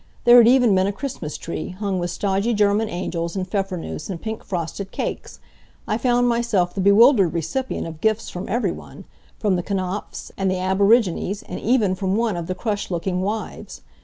There had even been a Christmas tree, hung with stodgy German angels and Pfeffernuesse and pink frosted cakes. I found myself the bewildered recipient of gifts from everyone from the Knapfs, and the aborigines and even from one of the crushed looking wives.